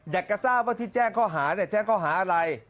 อยากจะทราบว่าที่แจ้งข้อหาแจ้งข้อหาอะไร